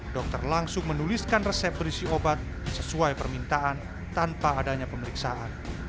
dokter langsung menuliskan resep berisi obat sesuai permintaan tanpa adanya pemeriksaan